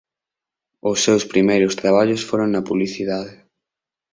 Os seus primeiros traballos foron na publicidade.